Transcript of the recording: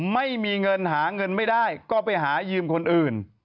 ไม่มีเงินหาเงินไม่ได้ก็ไปหายืมคนอื่น